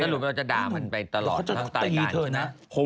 สรุปว่าจะด่ามันไปตลอดทั้งตายกาลอย่างนี้นะครับเขาจะตีเธอนะ